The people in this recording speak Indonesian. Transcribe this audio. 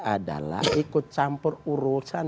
adalah ikut campur urusan